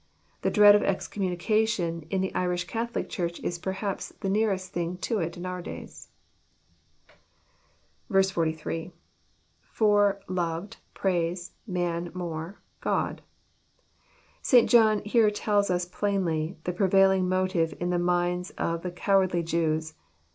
The dread of excom munication in the Irish Catholic Church is perhaps the near est thing to it in our days. i3,—lFor..,loved,.praise..,manmore..,GodJ] St. John here tells ns plainly the prevailing motive in the minds of the cowardly Jews.